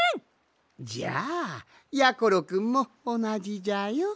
じゃあやころくんもおなじじゃよ。